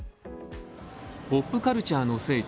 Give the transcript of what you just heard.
ポップカルチャーの聖地